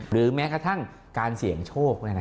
แม้กระทั่งการเสี่ยงโชค